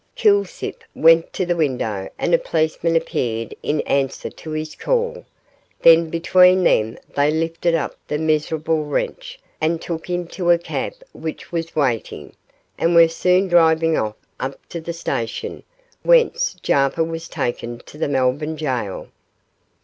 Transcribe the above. Kilsip went to the window and a policeman appeared in answer to his call, then between them they lifted up the miserable wretch and took him to a cab which was waiting, and were soon driving off up to the station, from whence Jarper was taken to the Melbourne gaol.